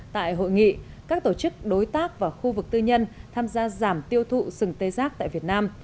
tại hội nghị các tổ chức đối tác và khu vực tư nhân tham gia giảm tiêu thụ sừng tê giác tại việt nam